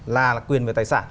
là quyền về tài sản